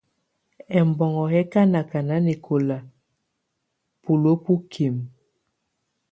Ɛbɔnɔ̀ yɛ̀ kà nakà nanɛkɔ̀la buluǝ́ bukimǝ.